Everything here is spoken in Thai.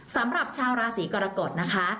สำหรับชาวราศีกรกฎนะคะ